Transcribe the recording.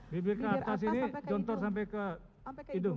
bibir ke atas ini jontor sampai ke hidung